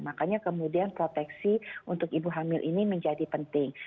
makanya kemudian proteksi untuk ibu hamil ini menjadi penting